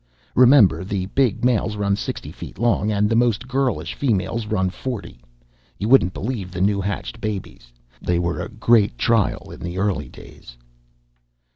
Remember, the big males run sixty feet long, and the most girlish females run forty. You wouldn't believe the new hatched babies! They were a great trial, in the early days!"